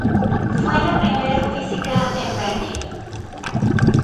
Fue la primera física en Berkeley.